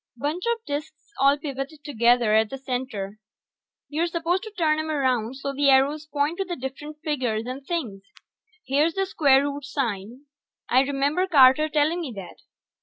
Bunch of disks all pivoted together at the center; you're supposed to turn 'em around so the arrows point to the different figures and things. Here's the square root sign, I remember Carter telling me that.